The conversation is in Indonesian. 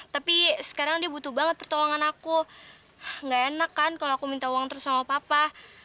tapi sekarang dia butuh banget pertolongan aku gak enak kan kalau aku minta uang terus sama papa